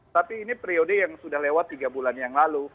tapi ini periode yang sudah lewat tiga bulan yang lalu